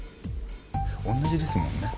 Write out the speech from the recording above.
同じですもんね。